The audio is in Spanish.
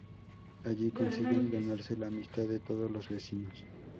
Allí consiguen ganarse la amistad de todos los vecinos.